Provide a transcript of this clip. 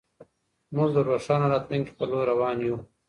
موږ د روښانه راتلونکي په لور روان يو.